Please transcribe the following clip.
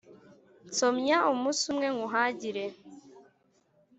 nsomya umusa umwe nywuhagire,